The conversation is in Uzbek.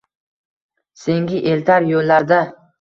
senga eltar yoʼllarda